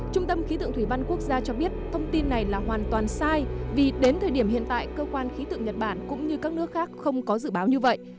trung tâm khí tượng thủy văn quốc gia cho biết thông tin này là hoàn toàn sai vì đến thời điểm hiện tại cơ quan khí tượng nhật bản cũng như các nước khác không có dự báo như vậy